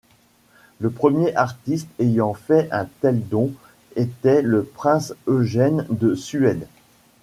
Le premier artiste ayant fait un tel don était le prince Eugen de Suède.